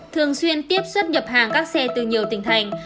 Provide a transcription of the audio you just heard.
thường xuyên tiếp xuất nhập hàng các xe từ nhiều tỉnh thành